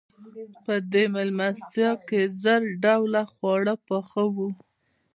په دې مېلمستیا کې زر ډوله خواړه پاخه وو.